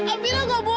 amira enggak boleh